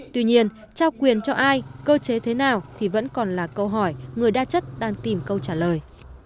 tuy nhiên trao quyền cho ai cơ chế thế nào thì vẫn còn là câu hỏi người đa chất đang tìm câu trả lời